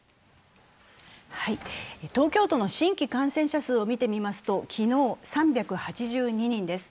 東京都の新規感染者数を見てみますと、昨日、３８２人です。